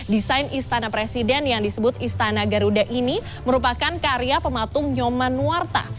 desain istana presiden yang disebut istana garuda ini merupakan karya pematung nyoman nuwarta